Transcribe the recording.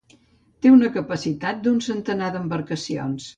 Té una capacitat d'un centenar d'embarcacions.